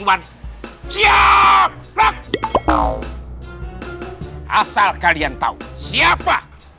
asal kalian tahu siapa